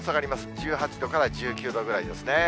１８度から１９度ぐらいですね。